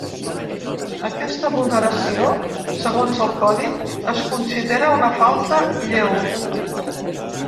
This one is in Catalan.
Aquesta vulneració, segons el codi, es considera una falta lleu.